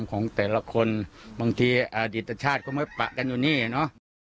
ของแต่ละคนบางทีดิตชาติก็ไม่ปะกันอยู่นี่เนาะ